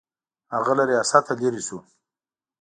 هغه له ریاسته لیرې شو.